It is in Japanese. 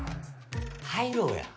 入ろうや。